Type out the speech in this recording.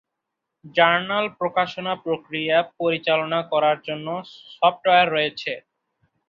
Journal প্রকাশনা প্রক্রিয়া পরিচালনা করার জন্য সফ্টওয়্যার রয়েছে।